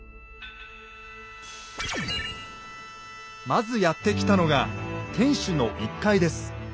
まずやって来たのが天主の１階です。